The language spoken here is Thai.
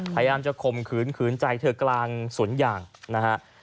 พยายามจะข่มขืนขืนใจเธอกลางสวนยางนะฮะ